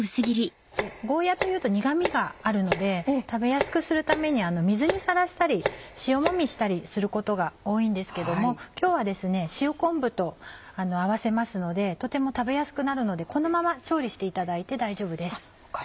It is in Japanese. ゴーヤというと苦味があるので食べやすくするために水にさらしたり塩もみしたりすることが多いんですけども今日は塩昆布と合わせますのでとても食べやすくなるのでこのまま調理していただいて大丈夫です。